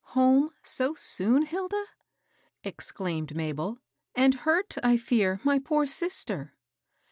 '^ Home so soon, Hilda ?" exclaimed Mabel ;and hurt, I fear, my poor sister."